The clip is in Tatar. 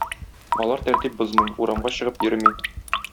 Алар тәртип бозмый, урамга чыгып йөрми.